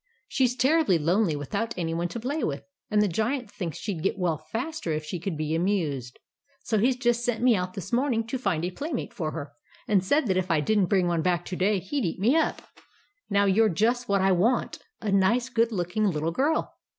She 's terribly lonely without any one to play with ; and the Giant thinks she 'd get well faster if she could be amused. So he 's just sent me out this morning to find a playmate for her, and said that if I did n't bring one back to day, he 'd eat me up. Now you're just what I want — a nice good looking little girl.